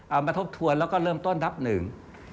มาทบทวนแล้วก็เริ่มต้นนับหนึ่ง